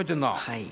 はい。